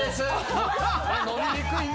飲みにくい。